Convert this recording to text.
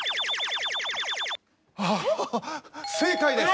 あぁ正解です！